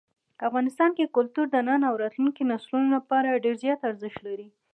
افغانستان کې کلتور د نن او راتلونکي نسلونو لپاره ډېر زیات ارزښت لري.